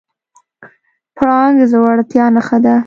پړانګ د زړورتیا نښه ده.